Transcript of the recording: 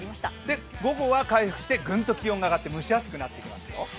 午後は回復してグンと気温が上がって蒸し暑くなってきますよ。